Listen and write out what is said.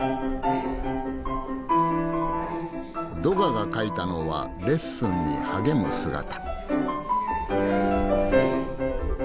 ドガが描いたのはレッスンに励む姿。